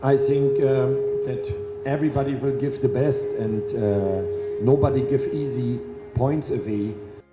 saya pikir semua orang akan memberikan yang terbaik dan tidak ada yang memberikan poin yang mudah